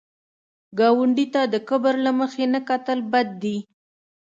ګاونډي ته د کبر له مخې نه کتل بد دي